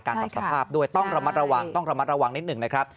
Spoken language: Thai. รับสภาพด้วยต้องระมัดระวังต้องระมัดระวังนิดหนึ่งนะครับ